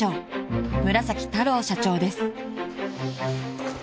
太郎社長です］